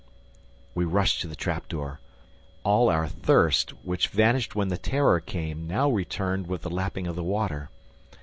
We rushed to the trap door. All our thirst, which vanished when the terror came, now returned with the lapping of the water.